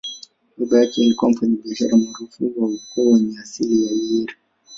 Baba yake alikuwa mfanyabiashara maarufu wa ukoo wenye asili ya Eire.